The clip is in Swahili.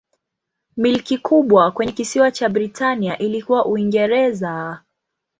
Milki kubwa kwenye kisiwa cha Britania ilikuwa Uingereza.